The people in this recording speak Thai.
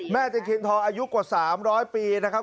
ตะเคียนทองอายุกว่า๓๐๐ปีนะครับ